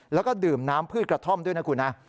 แล้วก็ดื่มน้ำพืชกระท่อมด้วยนะคุณนะ